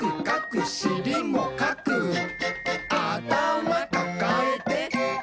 「あたまかかえて」